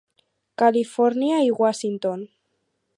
Califòrnia i Washington.